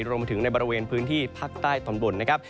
รวมไปถึงในบริเวณพื้นที่ภาคใต้ตอนบนนะครับ